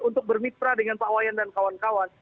untuk bermitra dengan pawayan dan kawan kawan